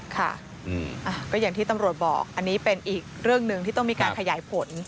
ค่ะก็อย่างที่ตำรวจบอกอันนี้เป็นอีกเรื่องหนึ่งที่ต้องมีการขยายผล